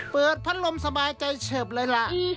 เปิดพัดลมสบายใจเฉิบเลยล่ะ